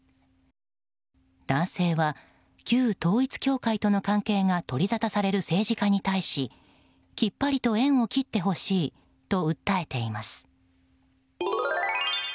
男性は、旧統一教会との関係が取りざたされる政治家に対しきっぱりと縁を切ってほしいと訴えています。